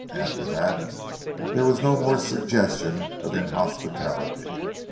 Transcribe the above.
After that, there was no more suggestion of inhospitality.